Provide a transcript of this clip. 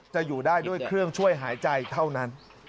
จะอยู่ได้ด้วยเครื่องช่วยหายใจเท่านั้น